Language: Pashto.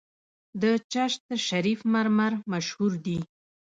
د چشت شریف مرمر مشهور دي